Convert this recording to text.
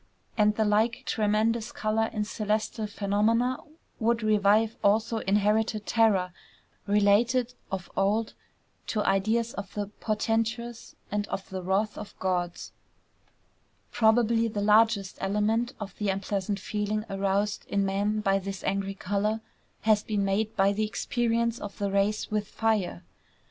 And the like tremendous color in celestial phenomena would revive also inherited terror related of old to ideas of the portentous and of the wrath of gods. Probably the largest element of the unpleasant feeling aroused in man by this angry color has been made by the experience of the race with fire.